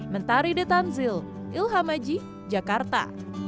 mentari de tanzil ilham maji jakarta